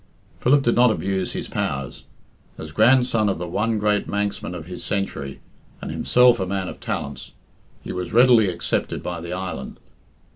Philip did not abuse his powers. As grandson of the one great Manxman of his century, and himself a man of talents, he was readily accepted by the island.